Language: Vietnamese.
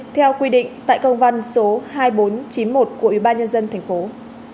theo quy định tại công văn số hai nghìn bốn trăm chín mươi một của ubnd tp hcm